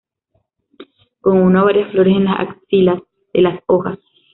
Con una o varias flores en las axilas de las hojas.